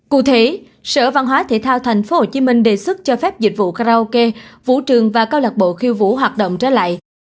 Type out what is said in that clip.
cụ thể sở văn hóa thể thao tp hcm đề xuất cho phép dịch vụ karaoke vũ trường và câu lạc bộ khiêu vũ hoạt động trở lại